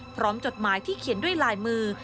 จดหมายที่เขียนด้วยลายมือ